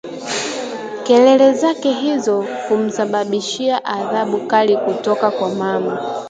Kelele zake hizo humsababishia adhabu kali kutoka kwa mama